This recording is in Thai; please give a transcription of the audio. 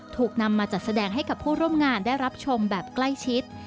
ถูกนำมาจัดแสดงให้กับผู้ร่วมงานได้รับชมแบบใกล้ชิด